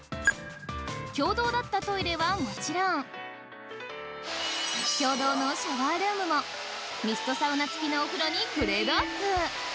共同だったトイレはもちろん、共同のシャワールームも、ミストサウナ付きのお風呂にグレードアップ。